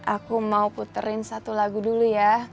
aku mau puterin satu lagu dulu ya